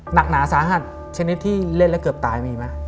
หนักหนาสาหัสชนิดที่เล่นแล้วเกือบตายมีไหม